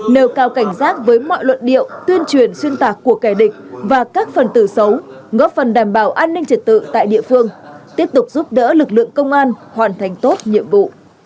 nêu cao cảnh giác với mọi luận điệu tuyên truyền xuyên tạc của kẻ địch và các phần từ xấu góp phần đảm bảo an ninh trật tự tại địa phương tiếp tục giúp đỡ lực lượng công an hoàn thành tốt nhiệm vụ